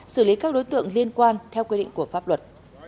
xử lý các đối tượng liên quan theo quy định của pháp luật